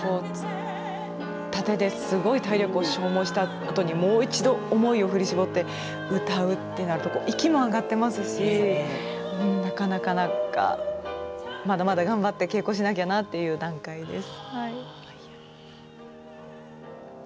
殺陣ですごく体力を消耗したあとにもう一度、思いを振り絞って歌うというのは息も上がっていますしまだまだ頑張って稽古しなきゃなという段階です。